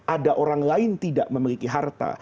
ada orang lain tidak memiliki harta